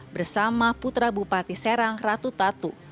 bersama putra bupati serang ratu tatu